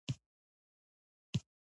د وينا جريان ته يې ور ګرځولم او خوښ يې کړم.